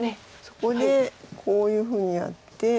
そこでこういうふうにやって。